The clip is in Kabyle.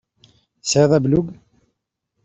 Tesεiḍ ablug?